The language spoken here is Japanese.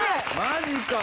マジか。